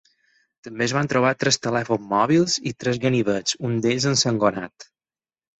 També es van trobar tres telèfons mòbils i tres ganivets, un d’ells ensangonat.